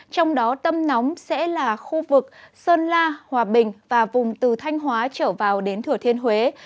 trong đó tâm nóng sẽ là khu vực sơn la hòa bình và vùng từ thanh hóa trở vào đến thừa thiên huế